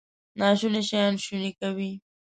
ناشوني شیان شوني کوي.